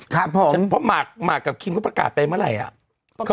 ครับผมเพราะหมากกับคิมเขาประกาศไปเมื่อไหร่อ่ะ